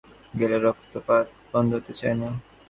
এ ধরনের রোগীদের কোথাও কেটে গেলে রক্তপাত বন্ধ হতে চায় না।